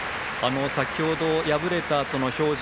先程、敗れたあとの表情